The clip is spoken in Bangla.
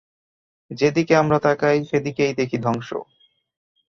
যেদিকেই আমরা তাকাই, সেদিকেই দেখি ধ্বংস।